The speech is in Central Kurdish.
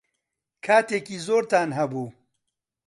کاتێکی زۆرتان هەبوو.